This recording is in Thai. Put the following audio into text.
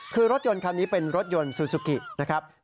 คือรถยนต์คันนี้เป็นรถยนต์ซูซูกินะครับ